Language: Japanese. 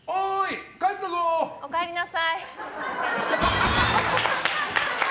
おかえりなさい！